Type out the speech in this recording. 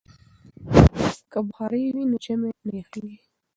که بخارۍ وي نو ژمی نه یخیږي.